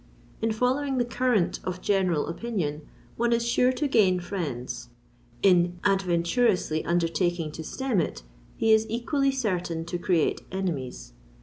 In following the current of general opinion, one is sure to gain friends: in adventurously undertaking to stem it, he is equally certain to create enemies.